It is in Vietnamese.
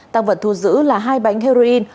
tăng vật thu giữ là hai bánh heroin